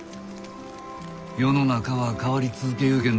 世の中は変わり続けゆうけんど。